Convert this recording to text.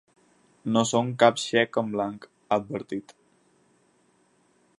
No som cap xec en blanc, ha advertit.